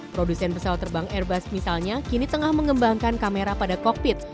produsen pesawat terbang airbus misalnya kini tengah mengembangkan kamera pada kokpit